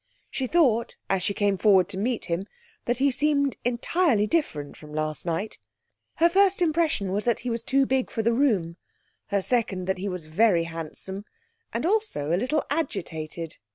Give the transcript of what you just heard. She thought as she came forward to meet him that he seemed entirely different from last night. Her first impression was that he was too big for the room, her second that he was very handsome, and also a little agitated.